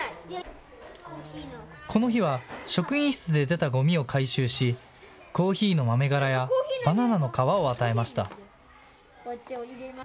この日は職員室で出たごみを回収し、コーヒーの豆がらやバナナの皮を与えました。